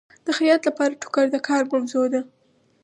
د خیاط لپاره ټوکر د کار موضوع ده.